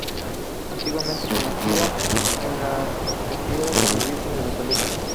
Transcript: Antiguamente conocida en la cofradía como Virgen de la Salud.